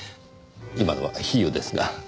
今のは比喩ですが。